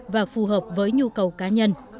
và phù hợp với nhu cầu cá nhân